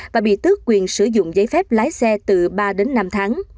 và bị tước quyền sử dụng giấy phép lái xe từ ba đến năm tháng